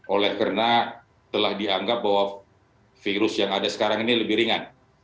oleh karena telah dianggap bahwa virus yang ada sekarang ini lebih ringan